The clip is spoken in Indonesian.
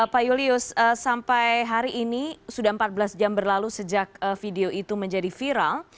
pak julius sampai hari ini sudah empat belas jam berlalu sejak video itu menjadi viral